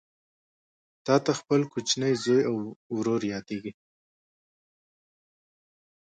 تاته خپل کوچنی زوی او ورور یادیږي